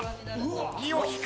２を引く！